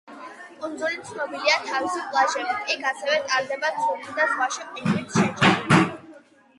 კუნძული ცნობილია თავისი პლაჟებით, იქ ასევე ტარდება ცურვის და ზღვაში ყვინთვის შეჯიბრებები.